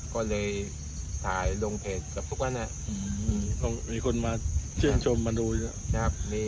ก็เลยถ่ายลงเพจกับทุกเว่นนั่งอืมมีคนมาชื่นชมมาดูน่ะ